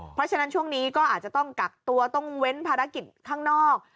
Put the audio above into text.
เพราะฉะนั้นช่วงนี้ก็อาจจะต้องกักตัวต้องเว้นภารกิจข้างนอก